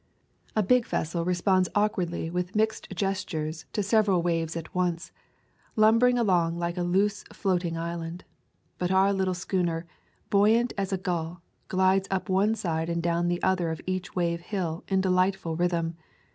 A big vessel responds awk wardly with mixed gestures to several waves A Thousand Mile Walk at once, lumbering along like a loose floating island. But our little schooner, buoyant as a gull, glides up one side and down the other of each wave hill in delightful rhythm.